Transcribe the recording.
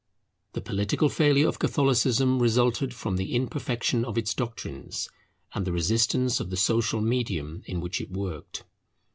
The political failure of Catholicism resulted from the imperfection of its doctrines, and the resistance of the social medium in which it worked.